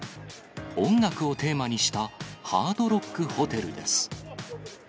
音楽をテーマにしたハードロックホテルです。